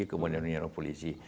kemudian penyerang polisi